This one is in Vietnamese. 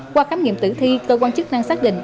qua khám nghiệm tử thi cơ quan chức năng xác định